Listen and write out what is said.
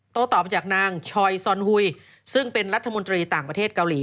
ตอบมาจากนางชอยซอนฮุยซึ่งเป็นรัฐมนตรีต่างประเทศเกาหลี